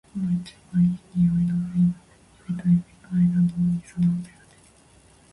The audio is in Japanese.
猫の一番いい匂いの部位は、指と指の間のみぞなんだよね。